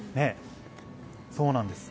そうなんです。